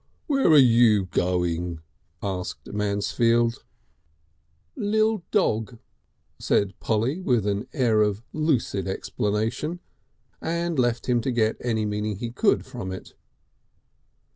"Where are you going?" asked Mansfield. "Lill Dog," said Polly with an air of lucid explanation, and left him to get any meaning he could from it.